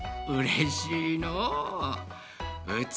うれしいのう。